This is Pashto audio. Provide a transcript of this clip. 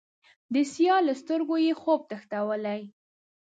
د سیال له سترګو یې، خوب تښتولی